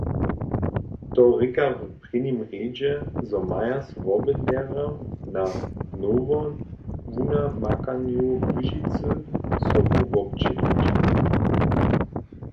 To rěka w prěnim rjedźe, zo maja so wobydlerjo na nowowunamakanju Łužicy sobu wobdźělić.